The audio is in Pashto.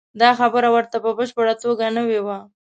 دا خبره ورته په بشپړه توګه نوې وه.